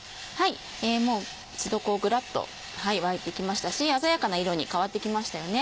一度ぐらっと沸いてきましたし鮮やかな色に変わってきましたよね。